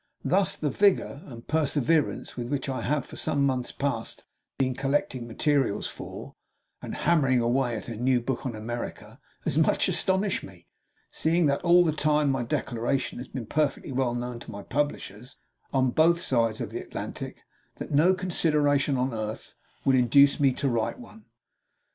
Thus, the vigour and perseverance with which I have for some months past been collecting materials for, and hammering away at, a new book on America has much astonished me; seeing that all that time my declaration has been perfectly well known to my publishers on both sides of the Atlantic, that no consideration on earth would induce me to write one.